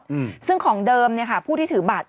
อืมซึ่งของเดิมเนี้ยค่ะผู้ที่ถือบัตร